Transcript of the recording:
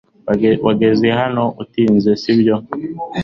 Wageze hano utinze, sibyo?